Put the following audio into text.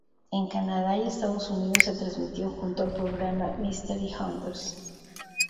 En Canadá y Estados Unidos se transmitió junto al programa Mystery Hunters.